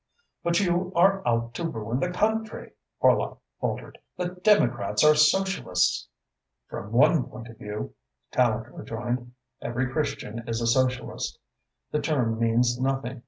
"But you are out to ruin the country!" Horlock faltered. "The Democrats are Socialists." "From one point of view," Tallente rejoined, "every Christian is a Socialist. The term means nothing.